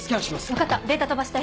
分かったデータ飛ばして。